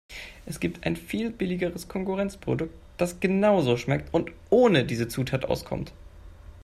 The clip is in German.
Es gibt ein viel billigeres Konkurrenzprodukt, das genauso schmeckt und ohne diese Zutat auskommt.